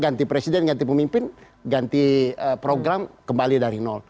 ganti presiden ganti pemimpin ganti program kembali dari nol